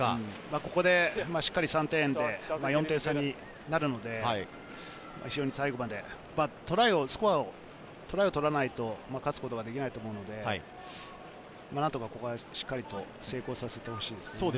ここでしっかり３点で４点差になるので、トライを取らないと勝つことができないと思うので、何とかしっかりとここは成功させてほしいですね。